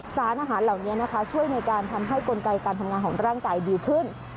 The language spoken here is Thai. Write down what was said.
สารอาหารเวลาด้วยนะคะช่วยในการการทำให้กลไกกนัมงานของร่างกายดีขึ้น